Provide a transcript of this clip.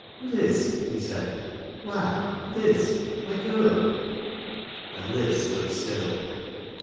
" Liz !" he said " Why, Liz, my girl !" A.nd Liz stood still.